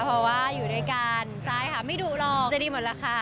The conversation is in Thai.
เพราะว่าอยู่ด้วยกันใช่ค่ะไม่ดุหรอกใจดีหมดแล้วค่ะ